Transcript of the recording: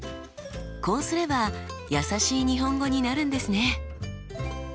こうすればやさしい日本語になるんですね。